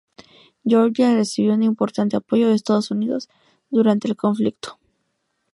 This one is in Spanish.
Georgia recibió un importante apoyo de Estados Unidos durante el conflicto.